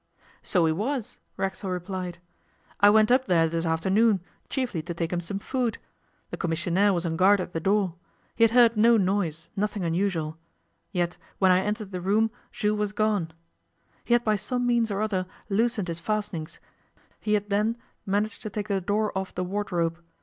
'So he was,' Racksole replied. 'I went up there this afternoon, chiefly to take him some food. The commissionaire was on guard at the door. He had heard no noise, nothing unusual. Yet when I entered the room Jules was gone. He had by some means or other loosened his fastenings; he had then managed to take the door off the wardrobe.